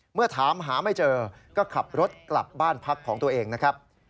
เมื่อถามหาไม่เจอก็ขับรถกลับบ้านพักของตัวเองนะครับ